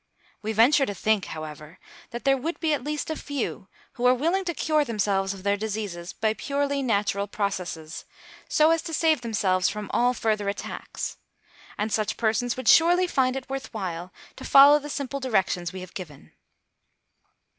We venture to think, however, that there would be at least a few who are willing to cure themselves of their diseases by purely natural processes, so as to save themselves from all further attacks; and such persons would surely find it worth while to follow the simple directions we have given.